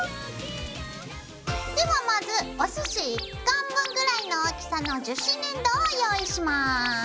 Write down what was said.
ではまずおすし１貫分ぐらいの大きさの樹脂粘土を用意します。